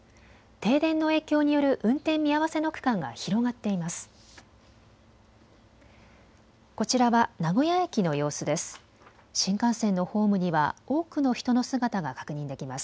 停電の影響による運転見合わせの区間が広がっています。